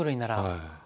はい。